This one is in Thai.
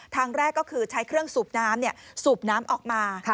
ทางแรกก็คือใช้เครื่องสูบน้ำสูบน้ำออกมา